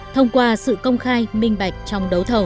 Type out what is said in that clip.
thông qua sự công khai minh bạch trong đấu thầu